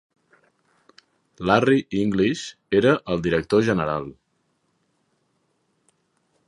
Larry English era el director general.